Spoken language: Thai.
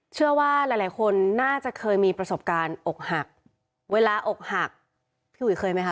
เชื่อว่าหลายคนน่าจะเคยมีประสบการณ์อกหักเวลาอกหักพี่อุ๋ยเคยไหมคะ